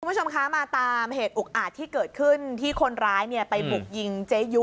คุณผู้ชมคะมาตามเหตุอุกอาจที่เกิดขึ้นที่คนร้ายเนี่ยไปบุกยิงเจยุ